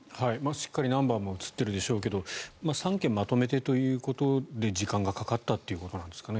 しっかりナンバーも映っているでしょうけど３件まとめてということで時間がかかったということですかね。